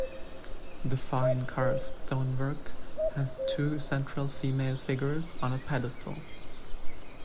The fine carved stonework has two central female figures on a pedestal.